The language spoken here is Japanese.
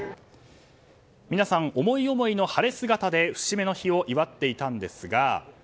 皆さん、思い思いの晴れ姿で節目の日を祝っていましたが。